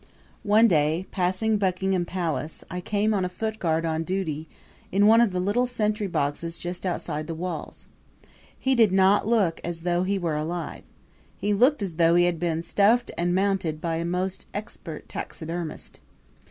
One day, passing Buckingham Palace, I came on a footguard on duty in one of the little sentry boxes just outside the walls. He did not look as though he were alive. He looked as though he had been stuffed and mounted by a most expert taxidermist.